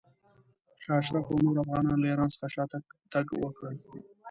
شاه اشرف او نورو افغانانو له ایران څخه شاته تګ وکړ.